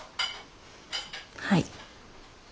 はい。